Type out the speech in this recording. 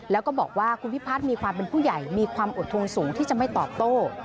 แล้วก็บอกว่าคุณพิพัฒน์มีความเป็นผู้ใหญ่มีความอดทนสูงที่จะไม่ตอบโต้